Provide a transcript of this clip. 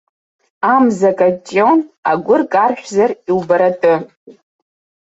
Амза каҷҷон, агәыр каршәзар иубаратәы.